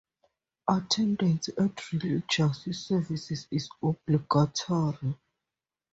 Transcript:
Attendance at religious services is obligatory.